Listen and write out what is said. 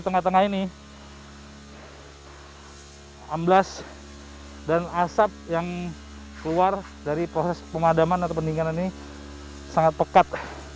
tengah tengah ini amblas dan asap yang keluar dari proses pemadaman atau pendinginan ini sangat pekat